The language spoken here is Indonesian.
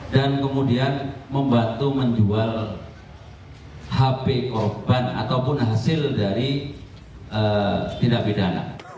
dan kemudian membantu menjual hp korban ataupun hasil dari tidak bidana